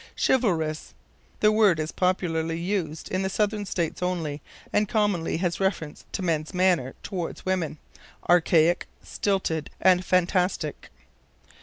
Chivalrous. The word is popularly used in the Southern States only, and commonly has reference to men's manner toward women. Archaic, stilted and fantastic.